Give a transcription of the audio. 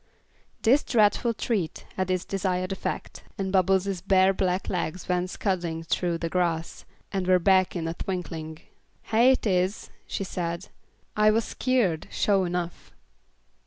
This dreadful threat had its desired effect, and Bubbles' bare black legs went scudding through the grass, and were back in a twinkling. "Hyah it is," she said. "I was skeered, sho' 'nough."